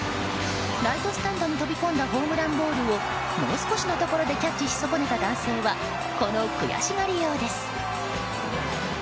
ライトスタンドに飛び込んだホームランボールをもう少しのところでキャッチし損ねた男性はこの悔しがりようです。